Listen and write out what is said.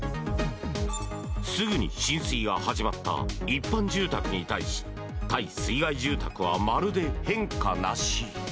すぐに浸水が始まった一般住宅に対し耐水害住宅はまるで変化なし。